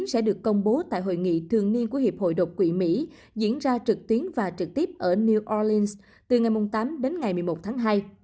sẽ được công bố tại hội nghị thường niên của hiệp hội độc quỷ mỹ diễn ra trực tuyến và trực tiếp ở new yorlines từ ngày tám đến ngày một mươi một tháng hai